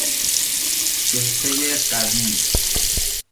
جثهی قوی